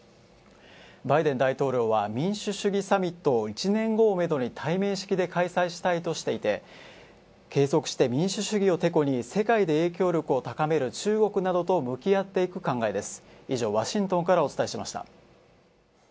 バイデン大統領は民主主義サミットを１年後をめどに対面式で開催したいとみていて、継続して民主主義をてこに世界で影響力を高める中国などと向き合っていく考えです。